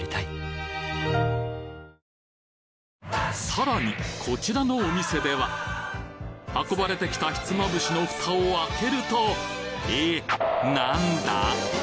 さらにこちらのお店では運ばれてきたひつまぶしの蓋を開けるとええっ何だ！？